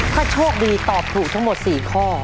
ถ้าโชคดีตอบถูกทั้งหมด๔ข้อ